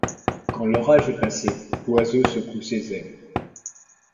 Quand l'orage est passé, l'oiseau secoue ses ailes.